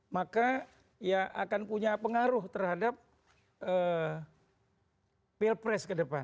maka ya akan punya pengaruh terhadap pilpres ke depan